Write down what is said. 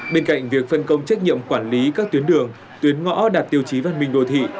bên cạnh việc phân công trách nhiệm quản lý các tuyến đường tuyến ngõ đạt tiêu chí văn minh đồ thị